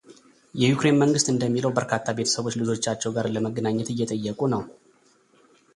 የዩክሬን መንግሥት እንደሚለው በርካታ ቤተሰቦች ልጆቻቸው ጋር ለመገናኘት እየጠየቁ ነው።